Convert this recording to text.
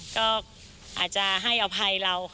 ก็อาจจะให้อภัยเรา